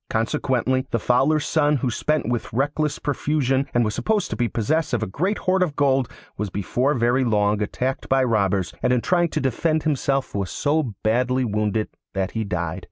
Consequently, the Fowler's son, who spent with reckless profusion and was supposed to be possessed of a great hoard of gold, was before very long attacked by robbers, and in trying to defend himself was so badly wounded that he died.